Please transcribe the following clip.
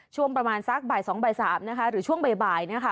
ช่วงประมาณซักบ่ายสองบ่ายสามนะคะหรือช่วงบ่ายบ่ายนะคะ